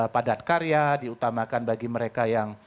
padat karya diutamakan bagi mereka yang